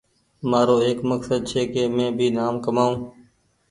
مآرو ايڪ مڪسد ڇي ڪ مينٚ بي نآم ڪمآئو